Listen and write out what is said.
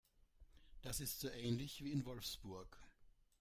Das ist so ähnlich wie in Wolfsburg